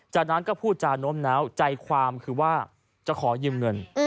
จากนั้นก็พูดจาโน้มน้าวใจความคือว่าจะขอยืมเงิน